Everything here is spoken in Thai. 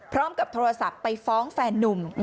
พร้อมกับโทรศัพท์ไปฟ้องแฟนนุ่ม